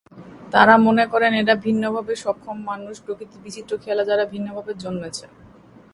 তাঁরা মনে করেন, এঁরা ভিন্নভাবে সক্ষম মানুষ—প্রকৃতির বিচিত্র খেয়ালে যাঁরা ভিন্নভাবে জন্মেছেন।